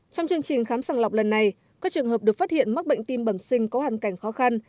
trong chương trình khám sàng lọc lần này các trường hợp được phát hiện mắc bệnh tim bẩm sinh có hàn cảnh khó khăn